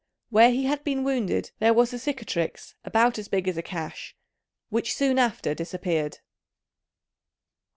Where he had been wounded, there was a cicatrix about as big as a cash, which soon after disappeared.